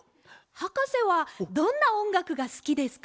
はかせはどんなおんがくがすきですか？